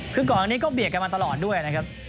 คือก่อนอันนี้ก็เบียดกันมาตลอดด้วยนะครับ